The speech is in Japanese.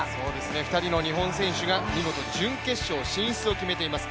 ２人の日本選手が見事、準決勝進出を決めています。